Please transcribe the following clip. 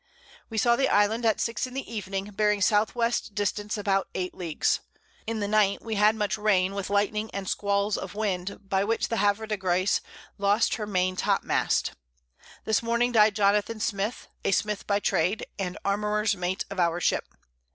We saw the Island at 6 in the Evening, bearing S. W. Distance about 8 Leagues. In the Night, we had much Rain with Lightning and Squalls of Wind, by which the Havre de Grace lost her main Top mast. This Morning died Jonathan Smyth, a Smith by Trade, and Armourer's Mate of our Ship.